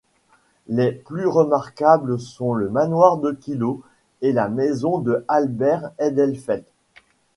Les plus remarquables sont le Manoir de Kilo et la maison de Albert Edelfelt.